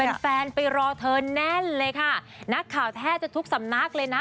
แฟนแฟนไปรอเธอแน่นเลยค่ะนักข่าวแทบจะทุกสำนักเลยนะ